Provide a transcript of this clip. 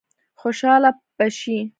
خوشاله به شي.